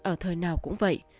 ở thời nào cũng vậy